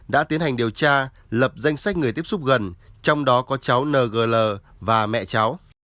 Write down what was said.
đã tiến hành điều tra lập danh sách người tiếp xúc gần trong đó có cháu ngl và mẹ cháu